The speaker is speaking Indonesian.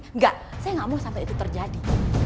enggak saya nggak mau sampai itu terjadi